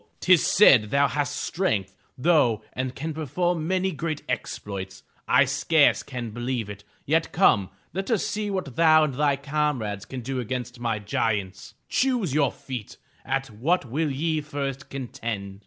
Tis said thou hast strength, though, and can perform many great exploits! I scarce can believe it! Yet come, let us see what thou and thy comrades can do against my giants. Choose your own feat. At what will ye first contend?"